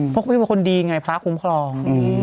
พวกพี่เป็นคนดีไงพระครุมครอง